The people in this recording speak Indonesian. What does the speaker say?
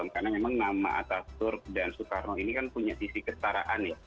karena memang nama ataturk dan soekarno ini kan punya sisi kesetaraan ya